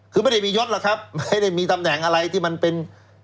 คือไม่ได้มียศหรอกครับไม่ได้มีตำแหน่งอะไรที่มันเป็น